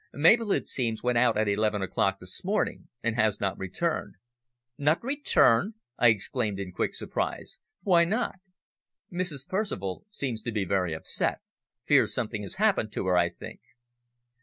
Mabel, it seems, went out at eleven o'clock this morning and has not returned." "Not returned," I exclaimed in quick surprise. "Why not?" "Mrs. Percival seems to be very upset. Fears something has happened to her, I think."